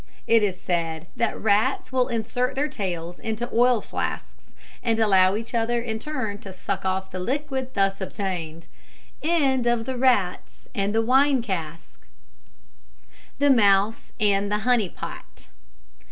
It is said that rats will insert their tails into oil flasks, and allow each other in turn to suck off the liquid thus obtained. THE MOUSE AND THE HONEY POT.